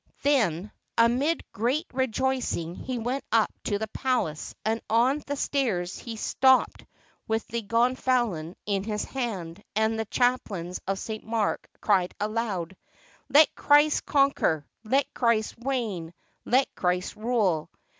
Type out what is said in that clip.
Then 53 ITALY amid great rejoicing he went up to the palace, and on the stairs he stopped with the gonfalon in his hand, and the chaplains of St. Mark cried aloud: "Let Christ con quer! let Christ reign! let Christ rule!